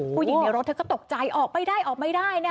ผู้หญิงในรถเธอก็ตกใจออกไปได้ออกไม่ได้นะ